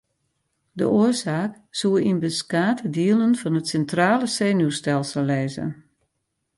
De oarsaak soe yn beskate dielen fan it sintrale senuwstelsel lizze.